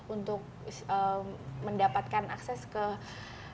untuk mendapatkan akses ke